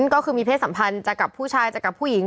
ก็คือมีเพศสัมพันธ์จากกับผู้ชายจากกับผู้หญิง